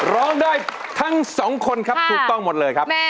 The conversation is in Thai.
ร้องได้ทั้งสองคนครับถูกต้องหมดเลยครับ